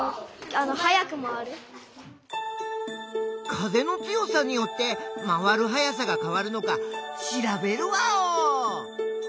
風の強さによって回るはやさがかわるのかしらべるワオー！